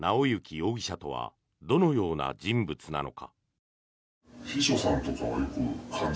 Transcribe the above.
容疑者とはどのような人物なのか。